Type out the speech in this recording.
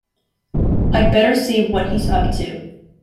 I'd better see what he's up to.